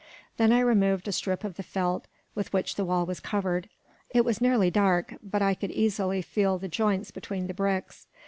Then I removed a strip of the felt with which the wall was covered. It was nearly dark, but I could easily feel the joints between the bricks.